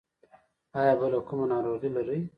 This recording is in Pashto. ایا بله کومه ناروغي لرئ؟